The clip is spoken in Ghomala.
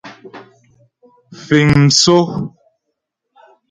Fíŋ msó.